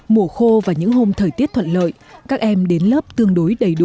mùa khô và những hôm thời tiết thuận lợi các em đến lớp tương đối đầy đủ